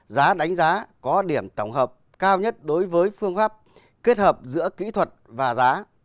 giá đánh giá có điểm tổng hợp cao nhất đối với phương pháp kết hợp giữa kỹ thuật và giá